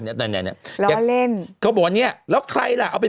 เนี่ยเขาบอกว่าวัคซีนจริงของเราน่าจะผลิตที่เกาหลี